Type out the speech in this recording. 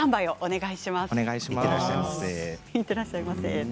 いってらっしゃいませ。